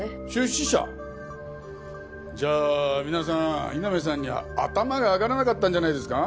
じゃあ皆さん井波さんには頭が上がらなかったんじゃないですか？